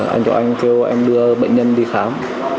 anh cho anh kêu em đưa bệnh nhân đi khám